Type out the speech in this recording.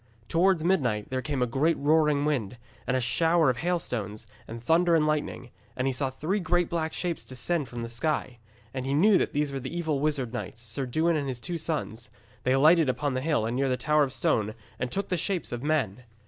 Towards midnight there came a great roaring wind, and a shower of hailstones, and thunder and lightning, and he saw three great black shapes descend from the sky. And he knew that these were the evil wizard knights, Sir Dewin and his two sons. They alighted upon the hill near the Tower of Stone, and took the shapes of men.